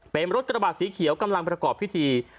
เป็นรถกระบาดสีเขียวกำลังประกอบพิธี